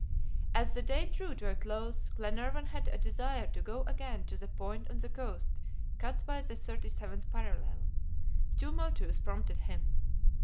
As the day drew to a close, Glenarvan had a desire to go again to the point on the coast cut by the 37th parallel. Two motives prompted him.